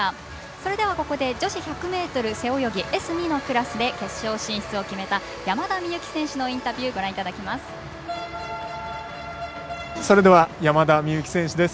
それではここで女子１００ｍ背泳ぎＳ２のクラスで決勝進出を決めた山田美幸選手のインタビューをご覧いただきます。